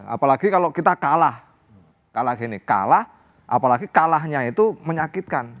apalagi kalau kita kalah kalah gini kalah apalagi kalahnya itu menyakitkan